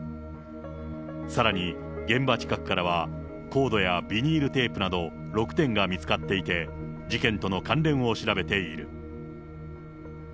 さらに、現場近くからは、コードやビニールテープなど６点が見つかっていて、事件との関連を調べている。